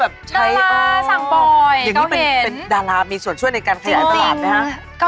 ค่ะอ๋อจำได้ว่าแบบใช้อ๋ออย่างนี้เป็นดารามีส่วนช่วยในการขยายประหลาดไหมคะ